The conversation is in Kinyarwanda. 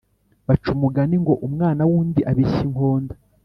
Baca umugani ngo umwana wundi abishya inkonda